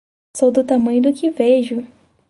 Sou do tamanho do que vejo!